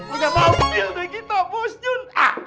punya mobil deh kita bos jun